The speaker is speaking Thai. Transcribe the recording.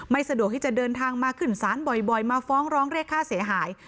สะดวกที่จะเดินทางมาขึ้นศาลบ่อยมาฟ้องร้องเรียกค่าเสียหาย